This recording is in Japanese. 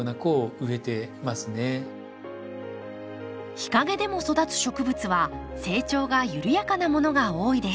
日陰でも育つ植物は成長が緩やかなものが多いです。